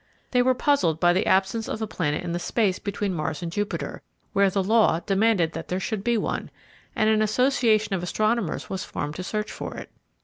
They were puzzled by the absence of a planet in the space between Mars and Jupiter, where the "law" demanded that there should be one, and an association of astronomers was formed to search for it.